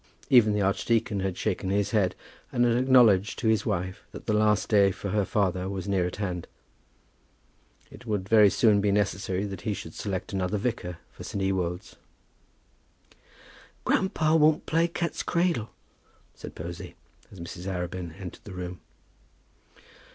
Even the archdeacon had shaken his head, and had acknowledged to his wife that the last day for her father was near at hand. It would very soon be necessary that he should select another vicar for St. Ewolds. "Grandpa won't play cat's cradle," said Posy, as Mrs. Arabin entered the room.